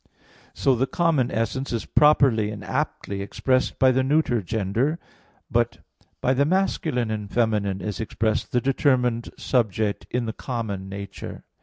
So the common essence is properly and aptly expressed by the neuter gender, but by the masculine and feminine is expressed the determined subject in the common nature.